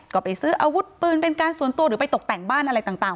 ก็ไปซื้ออาวุธปืนเป็นการส่วนตัวหรือไปตกแต่งบ้านอะไรต่าง